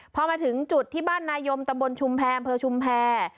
พอมาถึงจุดที่บ้านนายมตำบลชุมแพรอำเภอชุมแพร